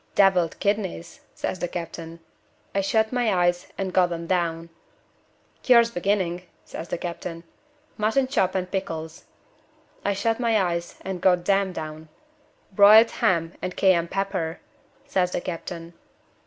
'Deviled kidneys,' says the captain. I shut my eyes, and got 'em down. 'Cure's beginning,' says the captain. 'Mutton chop and pickles.' I shut my eyes, and got them down. 'Broiled ham and cayenne pepper,' says the captain.